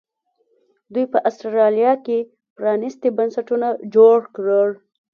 دوی په اسټرالیا کې پرانیستي بنسټونه جوړ کړل.